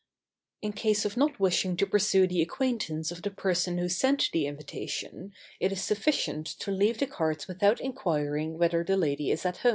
In case of not wishing to pursue the acquaintance of the person who sent the invitation, it is sufficient to leave the cards without inquiring whether the lady is at home.